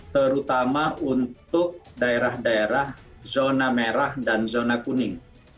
terutama untuk daerah daerah zona merah dan zona kuning